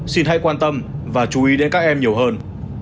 xin hãy quan tâm và chú ý đến các em nhiều hơn